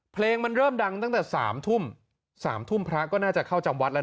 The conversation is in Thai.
เพลงมันเริ่มดังตั้งแต่๓ทุ่ม๓ทุ่มพระก็น่าจะเข้าจำวัดแล้ว